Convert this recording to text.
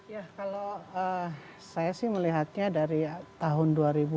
ya kalau saya sih melihatnya dari tahun dua ribu dua